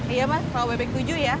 iya mbak kalo bebek tujuh ya